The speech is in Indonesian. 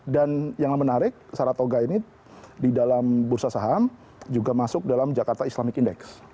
dan yang menarik saratoga ini di dalam bursa saham juga masuk dalam jakarta islamic index